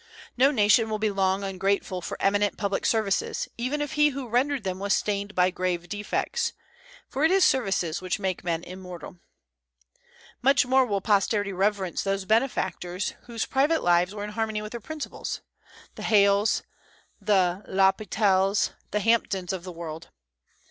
No nation will be long ungrateful for eminent public services, even if he who rendered them was stained by grave defects; for it is services which make men immortal. Much more will posterity reverence those benefactors whose private lives were in harmony with their principles, the Hales, the L'Hôpitals, the Hampdens of the world.